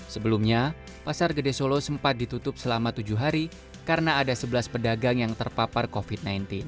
sebelumnya pasar gede solo sempat ditutup selama tujuh hari karena ada sebelas pedagang yang terpapar covid sembilan belas